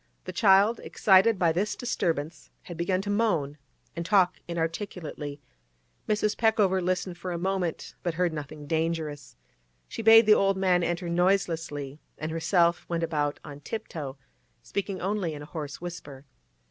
The child, excited by this disturbance, had begun to moan and talk inarticulately. Mrs. Peckover listened for a moment, but heard nothing dangerous. She bade the old man enter noiselessly, and herself went about on tip toe, speaking only in a hoarse whisper.